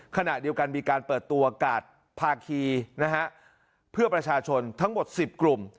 ขณะเดียวกันมีการเปิดตัวกาดภาคีนะฮะเพื่อประชาชนทั้งหมด๑๐กลุ่ม